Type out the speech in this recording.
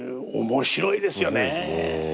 面白いですね。